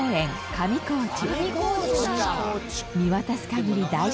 上高地